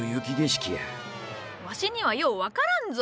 わしにはよう分からんぞ。